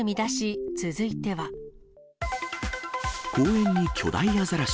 公園に巨大アザラシ。